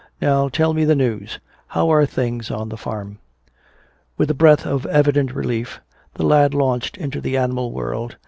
Now tell me the news. How are things on the farm?" With a breath of evident relief, the lad launched into the animal world.